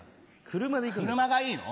車がいいの？